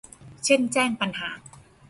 เช่นการแจ้งปัญหา